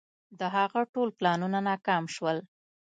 د هغه ټول پلانونه ناکام شول.